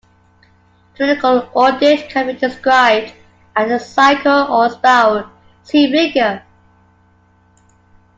Clinical audit can be described as a cycle or a spiral, "see figure".